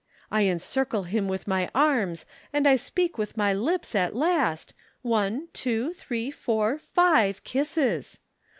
I encircle him with my arms, and I speak with my lips at last one, two, three, four, five, kisses.